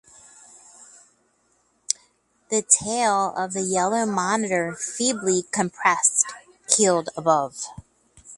The tail of the yellow monitor feebly compressed, keeled above.